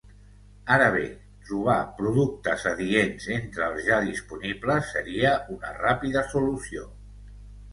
Ara bé, trobar productes adients entre els ja disponibles seria una ràpida solució.